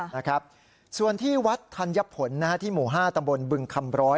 นะครับส่วนที่วัดธัญผลนะฮะที่หมู่๕ตำบลบึงคำร้อย